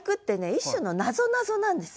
一種のなぞなぞなんですよ。